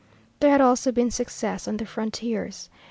There had also been success on the frontiers.